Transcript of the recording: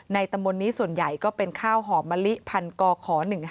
ตำบลนี้ส่วนใหญ่ก็เป็นข้าวหอมมะลิพันกข๑๕